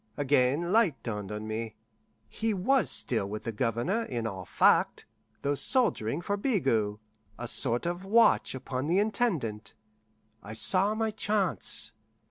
Again light dawned on me. He was still with the Governor in all fact, though soldiering for Bigot a sort of watch upon the Intendant. I saw my chance.